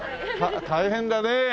大変だねえ。